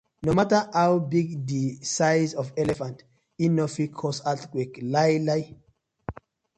No matta how big di size of elephant, e no fit cause earthquake lai la.